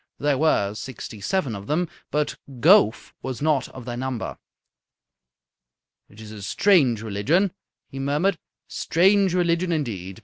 There were sixty seven of them, but Gowf was not of their number. "It is a strange religion," he murmured. "A strange religion, indeed.